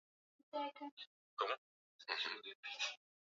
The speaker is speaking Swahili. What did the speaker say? inawezesha ubadilishanaji na makubaliano ya kifedha na dhamana